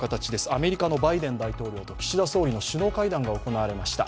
アメリカのバイデン大統領と岸田総理の首脳会談が行われました。